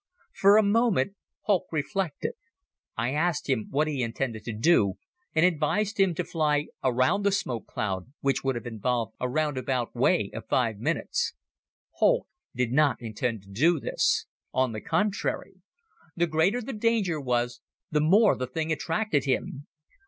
For a moment Holck reflected. I asked him what he intended to do and advised him to fly around the smoke cloud which would have involved a round about way of five minutes. Holck did not intend to do this. On the contrary. The greater the danger was the more the thing attracted him.